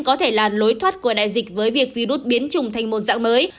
có thể là lối thoát của đại dịch với việc virus biến trùng thành một dạng mới